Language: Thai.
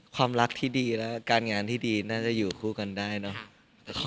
ความรักที่ดีและการงานที่ดีน่าจะอยู่คู่กันได้เนอะ